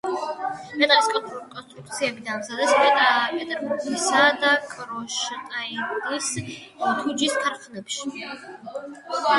მეტალის კონსტრუქციები დაამზადეს პეტერბურგისა და კრონშტადტის თუჯის ქარხნებში.